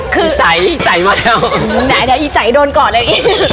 เดี๋ยวไอ้ใจโดนกอดเลย